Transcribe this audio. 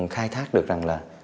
khai thác được rằng là